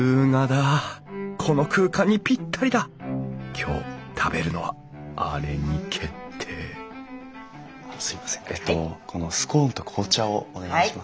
今日食べるのはあれに決定あっすいませんえっとこのスコーンと紅茶をお願いします。